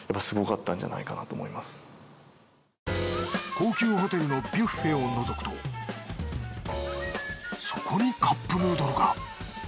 高級ホテルのビュッフェをのぞくとそこにカップヌードルが。